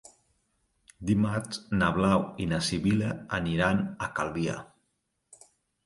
Dimarts na Blau i na Sibil·la aniran a Calvià.